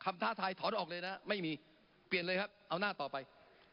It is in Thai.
ท้าทายถอนออกเลยนะไม่มีเปลี่ยนเลยครับเอาหน้าต่อไป